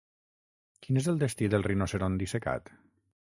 Quin és el destí del rinoceront dissecat?